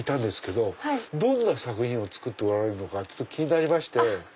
どんな作品を作っておられるのかちょっと気になりまして。